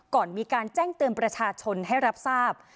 ก่อนมีการแจ้งเตือนประชาชนให้รับทราบ